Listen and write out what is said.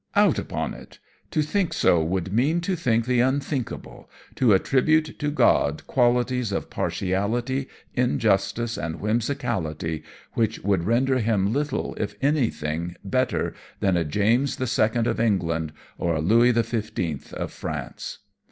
Out upon it! To think so would mean to think the unthinkable, to attribute to God qualities of partiality, injustice and whimsicality, which would render Him little, if anything, better than a James the Second of England, or a Louis the Fifteenth of France.